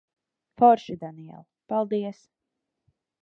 Forši, Daniel. Paldies.